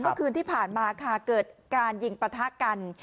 เมื่อคืนที่ผ่านมาค่ะเกิดการยิงปะทะกัน